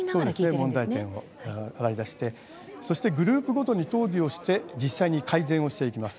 問題点を洗い出してそしてグループごとに討議をして実際に改善をしていきます。